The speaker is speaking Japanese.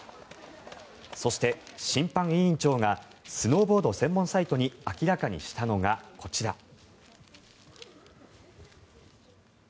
そして、審判委員長がスノーボード専門サイトに明らかにしたのがこちら。